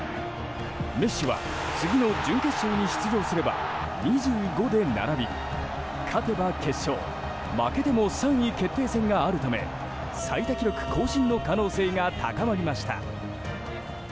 メッシは次の準決勝に出場すれば２５で並び勝てば決勝負けても３位決定戦があるため最多記録更新の可能性が高まりました。